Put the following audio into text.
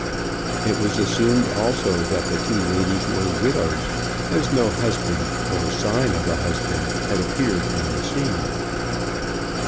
It was assumed also that the two ladies were widows, as no husband or sign of a husband had appeared on the scene.